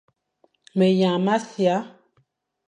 Meyañ mʼasia,